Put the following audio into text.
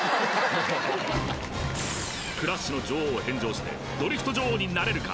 クラッシュの女王を返上してドリフト女王になれるか？